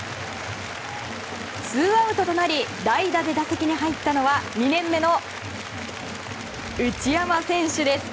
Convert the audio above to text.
ツーアウトとなり代打で打席に入ったのは２年目の内山選手です。